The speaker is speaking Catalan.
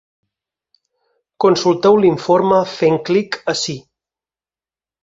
Consulteu l’informe fent clic ací.